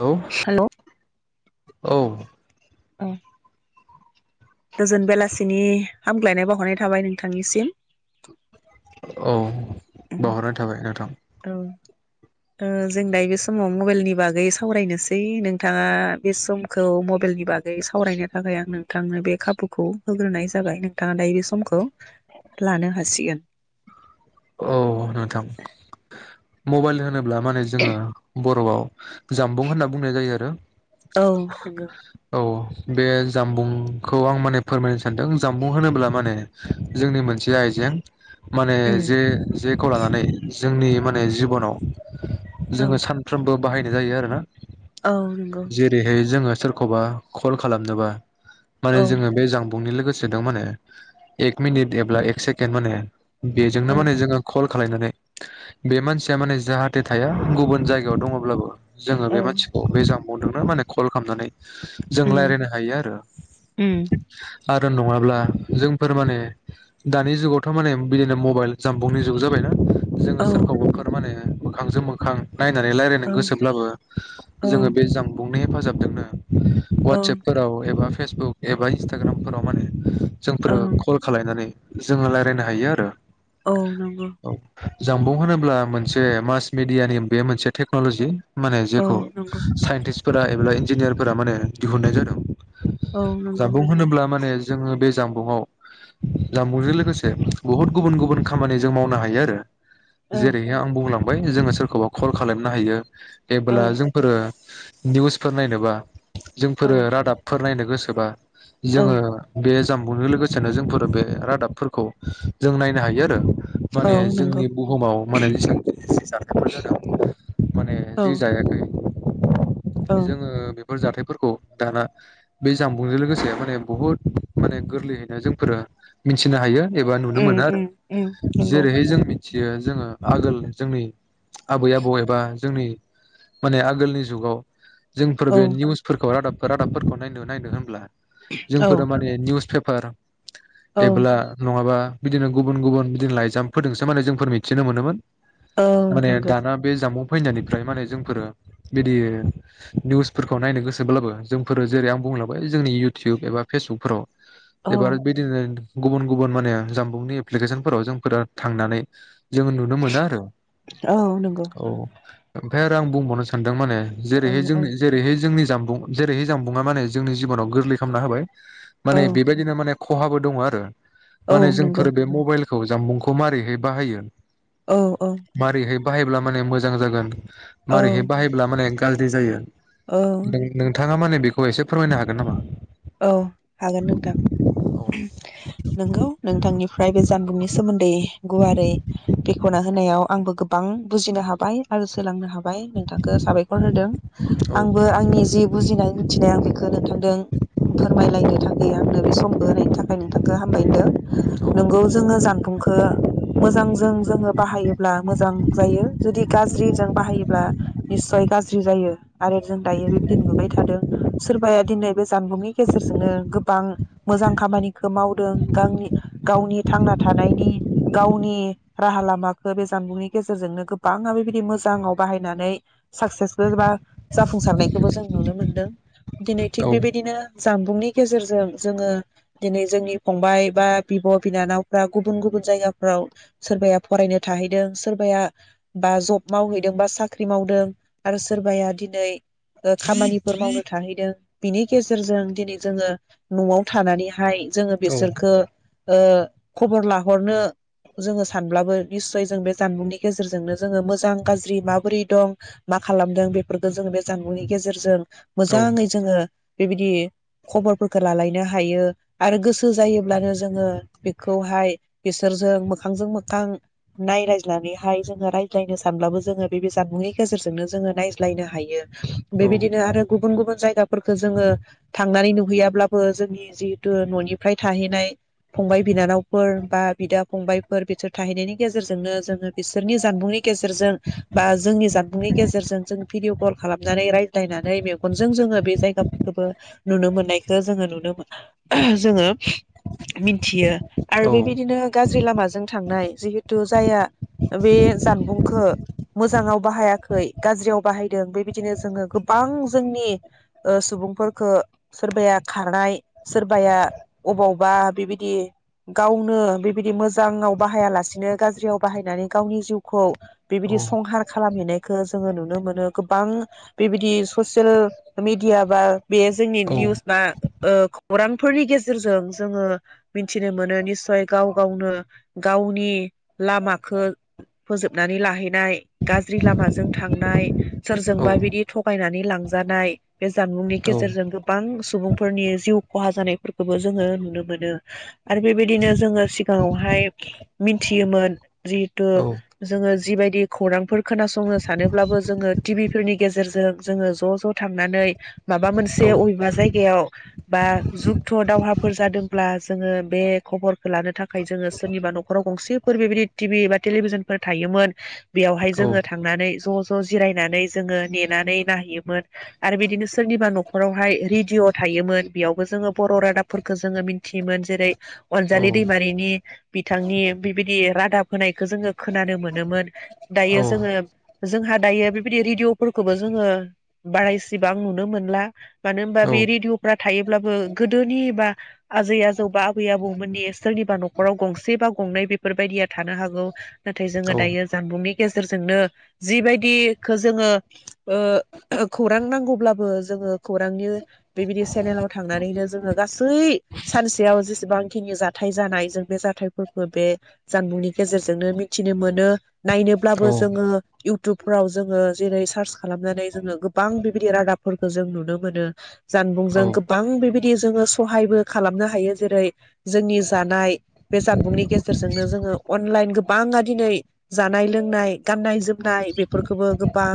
Hello hello औ अ गोजोन बेलासिनि हामग्लायनाय बावहरनाय थाबाय नोंथांनिसिम। औ बावहरनाय थाबाय नोंथां। औ ओ जों दायो बे समाव मबेइलनि बागै सावरायनोसै नोंथाङा बे समखौ मबेइलनि बागै सावरायनो थाखाय आं नोंथांनो बे खाबुखौ होग्रोनाय जाबाय नोंथाङा दायो बे समखौ लानो हासिगोन। औ नोंथां। मबाइल होनो ब्ला माने जोङो [unintelligible] जामबुं होनना बुंनाय जायो आरो औ नंगौ औ बे जामबुंखौ आं माने फोरमायनो सानदों जामबुं होनोब्ला माने जोंनि मोनसे आइजें। माने उम [unintelligible] जेखौ लानानै जोंनि माने जिबनाव औ जोङो सानफ्रोमबो बाहायनाय जायो आरो ना औ नंगौ जेरैहाय जोङो सोरखौबा कल खालामनोबा माने औ जोङो बे जां [unintelligible] जोंनो औ माने जो खालनानै बे मानसिया माने जाहाथे थाया गुबुन जायगायाव दङब्लाबो जोङो औ बे मानसिखौ नंगौ बे जामबुदोंनो माने कल खालामनानै जों उम रायलायनो हायो आरो उम आरो नङाब्ला जोंफोर माने दानि जुगावथ' माने बिदिनो मबाइल जाम्बुंनि जुग जाबायना जोङो औ नंगौ सोरखौबा फोरमाने मोखांजों मोखां नायनानै रायलायनो ओं औ गोसोब्लाबो जोङो बे जबुं नि हेफाजाबदोंनो वाटसएप ओं खालाम एबा फेसबुक एबा इन्सटाग्रामफोराव माने जोंफोरो ओं कल खालयनानै जोङो रायलायनो हायो आरो औ नंगौ जाम्बुं होनोब्ला मोनसे मास मिडियानि बे मोनसे टेक्न'लजि माने औ जेखौ नंगौ साइन्टिस फोरा एबा इन्जिनियार फोरा माने दिहुननाय जादों औ नंगौ जामबुं होनोब्ला माने जोङो बे जाम बुङाव जामबुंजों लोगोसे बुहुद गुबुन गुबुन खामानि जों मावनो हायो आरो औ जेरैहाय आं बुंलां बाय जोङो सोरखौबा कल खालामनो हायो औ जेबोब्ला जोंफोरो निउसफोर नायनोबा जोंफोरो औ रादाबफोर नायनो गोसोबा औ जोङो बे जामबुंजों लोगोसेनो जोंफोर बे रादाबफोरखौ जों नायनो हायो। [unintelligible] औ माने नंगौ जोंनि बुहुमाव माने जेसेबांखिनि जाथाइफोर जादों माने माने औ जि जायाखै औ जोङो बे बेफोर जाथाइफोरखौ दाना बे जामबुंजों लोगोसे माने बुहुद माने गोरलैयैनो जोंफोरो मिथिनो हायो। एबा नुनो उम मोनो आरो उम उम नंगौ जेरैहाय जोंनि मिथियो जोङो आगोल जोंनि आबै आबौ एबा जोंनि माने आगोलनि जुगाव जोंफोर औ बे निउसफोरखौ रादाब फोर रादाबफोरखौ नायनो नायनो होनब्ला औ जोंफोर माने निउस पे पार औ एब्ला नङाबा बिदिनो गुबुन गुबुन बिदिनो लाइजामफोरजोंसो माने जोंफोर मिथिनो मोनोमोन। औ माने नंगौ दाना बे जामबुं फैनायनिफ्राय माने जोंफोरो बिदि निउसफोरखौ नायनो गोसोब्लाबो जोंफोरो जेरै आं बुंलाबाय जोंनि इउटुब एबा फेसबुकफोराव औ एबा बिदिनो गुबुन गुबुन माने जामबुंनि एप्लिकेसन फोराव जोंफोरा थांनानै जोङो नुनो मोनो आरो औ नंगौ औ औ ओय आरो आं बुंबावनो सान औ जेरैहाय औ जोंनि जेरैहाय जोंनि जानबुं जेरैहाय जानबुंआ माने जोंनि जिबनाव गोरलै खालामना होबाय औ माने बेबायदिनो माने खहाबो दङ आरो औ माने नंगौ जोंफोर बे मबाइल खौ जामबुंखौ मारैहै बाहायो औ औ मारैहाय बाहायब्ला माने मोजां जागोन औ माबारैहाय बाहायोब्ला माने गाज्रि जायो औ थाङा माने बिखौ एसे फोरमायनो हागोन नामा औ हागोन नोंथां नोंगौ नोंथांनिफ फ्राय बे जानबुंनि सोमोन्दै गुवारै बि खना होनायाव आंबो गोबां बुजिनो हाबाय आरो सोलोंनो हाब बाय नोंथांखो साबायखर होदों औ आंबो आंनि जि बुजिनाय मिथिनाय आं बेखो नोंथांदों फोरमायलायनो थाखै आंनो बे समखौ होनायनि थाखाय नोंथांखो हामबाय होनदों नोंगौ जोङो जानबुंखौ मोजांजों जोङो बाहायोब्ला मोजां जायो जुदि गाज्रिजों बाहायोब्ला निस्सय गाज्रि जायो आरो जों दायो बेबायदि नुबाय थादों सोरबाया दिनै बे जानबुंनि गेजेरजोंनो गोबां मोजां खामानिखो मावदों गांनि गावनि थांना थानायनि गावनि राहा लामाखो बे जानबुंनि गेजेरजोंनो गोबाङा बेबायदि मोजाङाव बाहायनानै साक्सेसबो बा जाफुंसारनायखोबो जों नुनो मोनदों दिनै थिग औ बेबायदिनो जानबुंनि गेजेरजों जोङो दिनै जोंनि फंबाय बा बिब' बिनानावफ्रा गुबुन गुबुन जायगाफ्राव सोरबाया फरायनो थाहैदों सोरबाया बा जब मावहैदों बा साख्रि मावदों आरो सोरबाया दिनै ओ खामानिफोर मावनो थाहैदों बिनि गेजेरजों दिनै जोङो न'आव थानानैहाय जोङो औ बेसोरखो ओ खबर लाहरनो जोङो सानब्लाबो निस्सय जों बे जानबुंनि गेजेरजोंनो जोङो मोजां गाज्रि माबोरै दं मा खालामदों बेफोरफोरखो जोङो बे जानबुंनि गेजेरजों मोजाङै जोङो बेबायदि खबरफोरखो लालायनो हायो आरो गोसो जायोब्लानो जोङो बेखौहाय बिसोरजों मोखांजों मोखां नायलायज्लानैहाय जोङो रायज्लायनो सानब्लाबो जोङो बे जानबुंनि गेजेरजोंनो जोङो नायज्लायनो हायो औ बेबायदिनो आरो गुबुन गुबुन जायगाफोरखो जोङो थांनानै नुहैयाब्लाबो जोंनि जिहेतु न'निफ्राय थाहैनाय फंबाय बिनानावफोर बा बिदा फंबायफोर बेसोर थाहैनायनि गेजेरजोंनो जोङो बिसोरनि जानबुंनि गेजेरजों बा जोंनि जानबुंनि गेजेरजों जों भिडिअ' कल खालामनानै रायज्लायनानै मेगनजों जोङो बे जायगाफोरखौबो नुनो मोननायखो जोङो नुनो मो जोङो मिथियो आरो औ बेबायदिनो गाज्रि लामाजों थांनाय जिहेथु जायहा बे जानबुंखो मोजाङाव बाहायाखै गाज्रियाव बाहायदों बेबायदिनो जोङो गोबां जोंनि ओ सुबुंफोरफोरखो सोरबाया खारनाय सोरबाया अबावबा बेबायदि गावनो बेबायदि मोजाङाव बाहायालासिनो गाज्रियाव बाहायनानै गावनि जिउखौ औ बेबायदि संहार खालामहैनायखो जोङो नुनो मोनो गोबां बेबायदि ससेल मिडिया बा बे जोंनि निउस बा ओ खौरांफोरनि गेजेरजों जोङो मिनथिनो मोनो निस्सय गाव गावनो गावनि लामाखो फोजोबनानै लाहैनाय गाज्रि लामाजों थांनाय औ सोरजोंबा बिदि थगायनानै लांजानाय बे जानबुंनि गेज गेजेरजों गोबां सुबुंफोरनि जिउ खहा जानायफोरखौबो जोङो नुनो मोनो आरो बेबायदिनो जोङो सिगाङावहाय मिनथियोमोन जिहेथु जोङो जिबायदि खौरांफोर खोनासंनो सानोब्लाबो जोङो टिबि फोरनि गेजेरजों जोङो ज' ज' थांनानै माबा मोनस से अबेबा जायगायाव बा जुगथ' दावहाफोर जादोंब्ला जोङो बे खबरखो लानो थाखाय जोङो सोरनिबा न'खराव गंसेफोर बेबायदि टिबि बा टेलिभिजनफोर थायोमोन बेयावहाय जोङो थांनानै ज' ज' जिरायनानै जोङो नेनानै नायहैयोमोन आरो बेदिनो सोरनिबा न' खरावहाय रेडिय' थायोमोन बेयावबो जोङो बर' रादाबफोरखौ जोङो मिनथियोमोन जेरै अनजालि दैमारिनि बिथांनि बिबायदि रादाब होनायखो जोङो खोनानो मोनोमोन दायो जोङो जोंहा दायो बेबायदि रेदिय'फोरखोबो जोङो बाराय एसेबां नुनो मोनला मानो होमबा बे औ रेडिअ'फ्रा थायोब्लाबो गोदोनि बा आजै आजौ बा आबै आबौमोननि सोरनिबा न'खराव गंसे बा गंनै बेफोरबायदिया थानो हागौ नाथाय जोङो औ दायो जानबुंनि गेजेरजोंनो जिबायदिखो जोङो ओ खौरां नांगौब्लाबो जोङो खौरांनि बेबायदि सेनेलाव थांनानैनो जोङो गासै सानसेयाव जेसेबांखिनि जाथाय जानाय जों बे जाथायफोरखो बे जानबुंनि गेजेरजोंनो मिथिनो मोनो नायनोब्लाबो औ औ जोङो इउटुबफोराव जोङो जेरै सार्च खालामनानै जोङो गोबां बेबायदि रादाबफोरखौ जों नुनो मोनो औ जानबुंजों गोबां बेबायदि जोङो सहायबो खालामनो हायो जेरै जोंनि जानाय बे जानबुंनि गेजेरजोंनो जोङो अनलाइन गोबाङा दिनै जानाय लोंनाय गाननाय जोमनाय बेफोरखोबो गोबां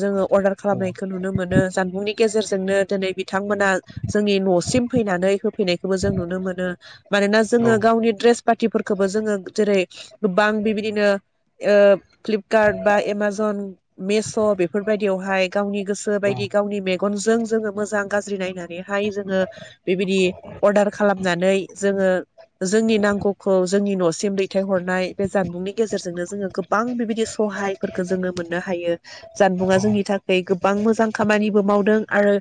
जोङो अर्डार खालामनायखो नुनो मोनो जानबुंनि गेजेरज जोंनो दोनै बिथांमोना जोंनि न'सिम फैनानै होफैनाखोबो जों नुनो मोनो मानोना औ जोङो गावनि ड्रेस पातिफोरखोबो जोङो जेरै गोबां बेबादिनो ओ फ्लिपकार्ट बा एमाजन मेस' बेफोरबायदियावहाय गावनि गोसो बायदि गावनि मेगनजों जोङो मोजां गाज्रि नायनानैहाय जोङो बेबायदि अर्डार खालामनानै जोङो जोंनि नांगौखौ जोंनि न'सिम दैथायहरनाय बे जानबुंनि गेजेरजोंनो जोङो गोबां बेबायदि सहायफोरखौ जोङो मोननो हायो जानबुङा जोंनि थाखाय गोबां मोजां खामानिबो मावदों आरो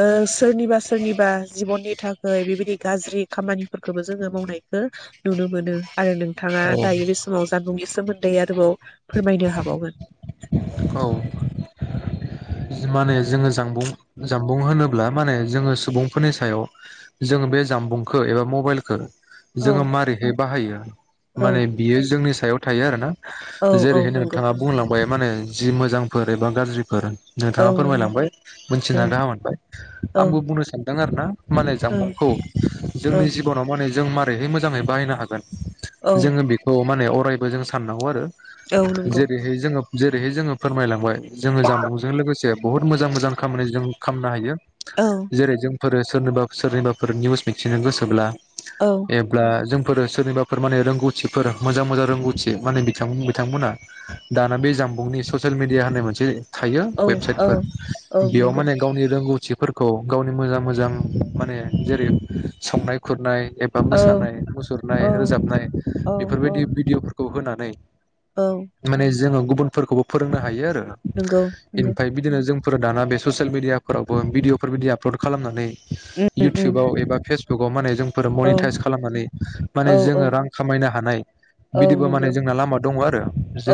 ओ सोरनिबा सोरनिबा जिबननि थाखै बेबायदि गाज्रि खामानिफोरखोबो जोङो मावनायखौ नुनो मोनो आरो नों औ थाङा दायो बे समाव जानबुंनि सोमोन्दै आरोबाव फोरमायनो हाबावगोन औ माने जोङो जानबुं जानबुं होनोब्ला माने जोङो सुबुंफोरनि सायाव जोङो बे जानबुंखौ एबा मबाइलखौ औ जोङो मारैहाय बाहायो औ माने बियो जोंनि सायाव थायो आरो ना औ औ जेरैहाय नंगौ नोंथाङा बुंलांबाय माने जि मोजांफोर एबा गाज्रिफोर औ नोंथाङा नंगौ फोरमायलांबाय मोनथिना ओं गाहाम मोनबाय औ आंबो बुंनो सानदों दों आरोना। माने औ जानबुंखौ औ जोंनि जिबनाव माने जों मारैहाय मोजाङै बाहायनो हागोन? औ जोङो बेखौ माने अरायबो जों साननांगौ आरो। औ नंगौ जेरैहाय जोङो जेरैहाय जोङो फोरमायलांबाय जोङो जानबुंजों लोगोसे बहुत मोजां मोजां खामानि जों खालामनो हायो औ जेरै जों फोर सोरनिबा सोरनिबाफोर निउस मिथिनो गोसोब्ला औ एबा जों फोर सोरनिबाफोर माने रोंगौथिफोर मोजां मोजां रोंगौथि माने बिथां-बिथांमोना दाना बे जानबुंनि ससेेल मिदिया होननाय मोनसे थायो‌ औ वेबसाइट औ फोर औ बेयाव नंगौ माने गावनि रोंगौ थिफोरखौ गावनि मोजां मोजां माने जेरै संनाय खुरनाय एबा औ मोसानाय मुसुरनाय औ रोजाबनाय औ औ बेफोरबायदि भिडिअफोर खौ होनानै औ माने जोंङो गुबुनफोरखौबो फोरोंनो हायो। नोंगौ बेनिफ्राय बिदिनो जों फोर दाना बे ससियेल मिडियाफोरावबो भिडिअफोरबायदि आपल'ड खालामनानै उम उम इयउटुबाव एबा फेस बुगाव माने जों फोर औ मनिटाइस खालामनानै माने औ औ जोङो रां खामायनो हानाय औ बिदिबो नंगौ माने जोंना लामा दङ आरो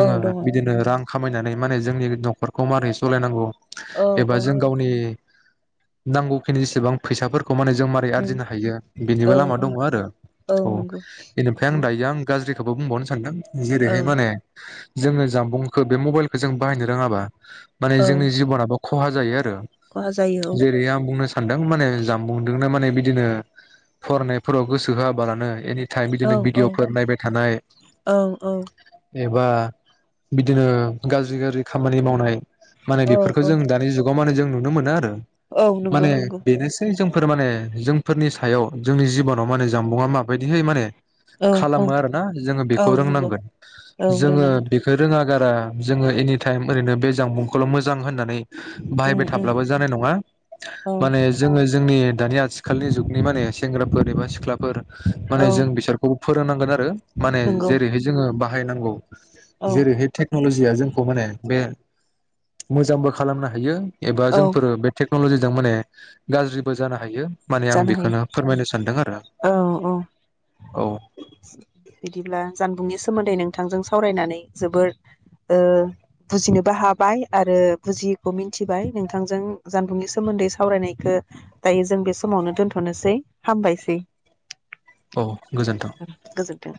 औ दङ बिदिनो रां खामायनानै माने जोंनि न'खर खौ मारै सलायनांगौ औ एबा औ जों गावनि नांगौखिनि जेसेबां फैसाफोरखौ खौ माने जों मारै उम आरजिनो हायो औ बेनिबो लामा औ दङ आरो औ अ नंगौ बेनिफ्राय आं उम दायो आं गाज्रि खौ बुंबावनो सानदों। औ जेरैहाय माने जोङो जानबुंखौ बे मबाइलखौ जों बाहायनो रोङाबा माने औ जोंनि जिबनाबो खहा जायो खहा जायो जेरै आं बुंनो सानदों माने जानबुंदो माने बिदिनो फरायनायफोराव गोसो होआबानो एनिटाइम औ बिदिनो औ भिडिअफोर नायबाय थानाय औ औ एबा बिदिनो गाज्रि गाज्रि खामानि मावनाय माने बेफोरखौ औ जों दानि जुगाव मान जों नुनो मोनो आरो औ नंगौ माने नंगौ बेनोसै जों फोर माने जोंफोरनि सायाव जोंनि जिबनाव माने जानबुंङा माबायदिहै माने औ औ खालामो आरोना जोङो औ बेखौ नंगौ रोंनांगोन औ जोङो रोंनांगोन बेखौ रोङा जारा जोङो एनि टाइम ओरैनो बेजि जां मुंखौल' मोजां होननानै उम बाहायबाय उम थाब्लाबो जानाय नङा औ माने जोङो जोंनि दानि आथिखालनि जुगनि माने सेंग्राफोर एबा सिख्लाफोर औ माने जों बिसोरखौ फोरोंनांगोन आरो माने नंगौ जेरैहाय जोङो बा हायनांगौ औ जेरैहाय टेक्न'लजिया जोंखौ माने बे मोजांबो खालामनो हायो एबा औ जोंफोर बे टेकनलजि जों माने माने आं जानो हायो बेखौनो फोरमायनो सानदों आरो औ औ औ बिदिब्ला जानबुंनि सोमोन्दै नोंथांजों सावरायनानै जोबोर ओ बुजिनोबो हाबाय आरो बुजियैखौ मिथिबाय नोंथांजों जानबुंनि सोमोन्दै सावरायनायखौ दायो जों बे समावनो दोनथ'नोसै हामबायसै औ गोजोन्थों गोजोन्थों